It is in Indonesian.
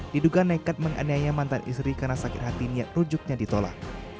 diduga nekat menganiaya mantan istri karena sakit hati niat rujuknya ditolak